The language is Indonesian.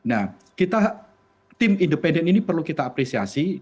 nah kita tim independen ini perlu kita apresiasi